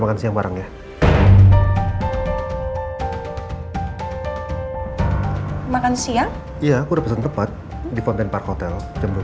makasih ya iya udah pesan tepat di konten park hotel